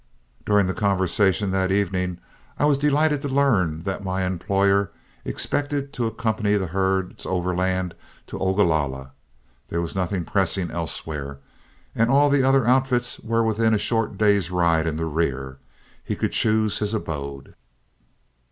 During the conversation that evening, I was delighted to learn that my employer expected to accompany the herds overland to Ogalalla. There was nothing pressing elsewhere, and as all the other outfits were within a short day's ride in the rear, he could choose his abode.